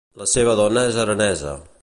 La seva dona és aranesa.